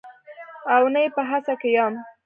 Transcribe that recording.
او نه یې په هڅه کې یم